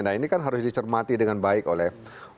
nah ini kan harus dicermati dengan baik oleh